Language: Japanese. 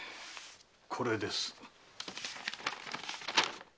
これです。